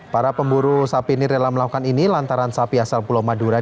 para pemburu sapi ini rela melakukan ini lantaran sapi asal pulau madura